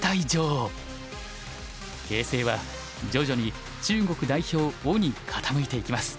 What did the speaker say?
形勢は徐々に中国代表於に傾いていきます。